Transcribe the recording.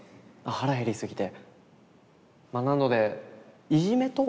腹減りすぎて。